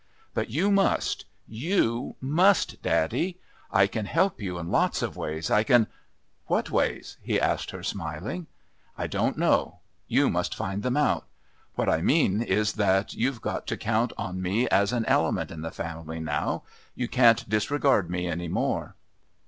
But you must. You must, daddy. I can help you in lots of ways. I can " "What ways?" he asked her, smiling. "I don't know. You must find them out. What I mean is that you've got to count on me as an element in the family now. You can't disregard me any more."